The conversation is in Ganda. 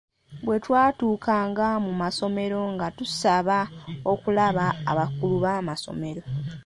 Bwe twatuukanga mu masomero nga tusaba okulaba abakulu b’amasomero.